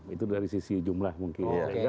itu dari sisi jumlah mungkin